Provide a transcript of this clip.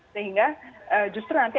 sehingga justru nanti